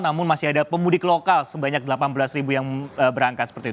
namun masih ada pemudik lokal sebanyak delapan belas ribu yang berangkat seperti itu